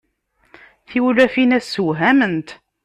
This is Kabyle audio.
Tiwlafin-a ssewhament.